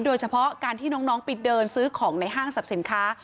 โดยเฉพาะการที่น้องไปเดินซื้อของในห้างสรรพสินค้า